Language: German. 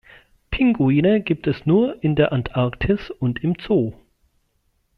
Pinguine gibt es nur in der Antarktis und im Zoo.